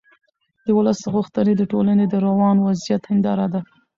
د ولس غوښتنې د ټولنې د روان وضعیت هنداره ده